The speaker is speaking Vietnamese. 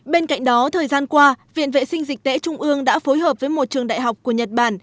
bên cạnh đó thời gian qua viện vệ sinh dịch tễ trung ương đã phối hợp với một trường đại học của nhật bản